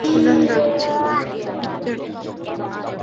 উনার নাম ছিলো নির্জারা দেবী।